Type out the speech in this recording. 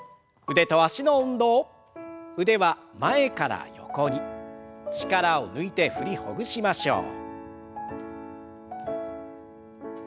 腕は前から横に力を抜いて振りほぐしましょう。